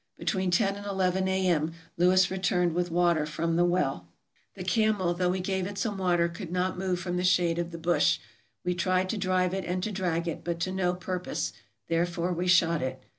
Between ten and eleven A.M. Lewis returned with water from the well. MISCELLANEOUS 433 The camel, though we gave it some water, could not move from the shade of the bush. We tried to drive it, and to drag it, but to no purpose, therefore we shot it.